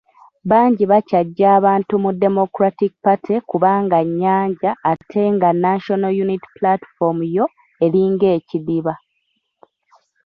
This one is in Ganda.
Bangi bakyaggya abantu mu Democratic Party kubanga nnyanja ate nga National Unity Platform yo eringa ekidiba.